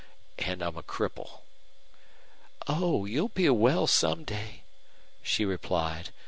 And I'm a cripple." "Oh, you'll be well some day," she replied.